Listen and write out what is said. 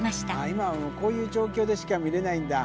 今はもうこういう状況でしか見れないんだ。